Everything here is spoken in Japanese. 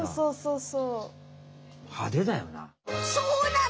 そうなの！